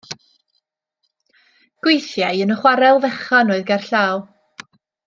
Gweithiai yn y chwarel fechan oedd gerllaw.